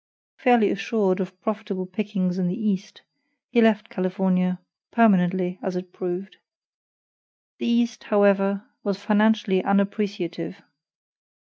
Fairly assured of profitable pickings in the East, he left California (permanently, as it proved). The East, however, was financially unappreciative.